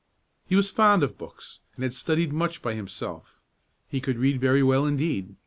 He was fond of books, and had studied much by himself. He could read very well indeed.